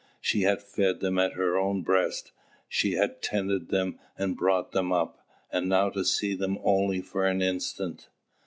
She had fed them at her own breast, she had tended them and brought them up; and now to see them only for an instant!